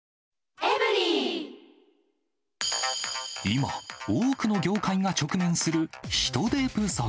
今、多くの業界が直面する人手不足。